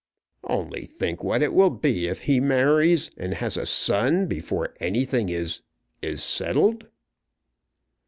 Only think what it will be if he marries, and has a son before anything is is settled."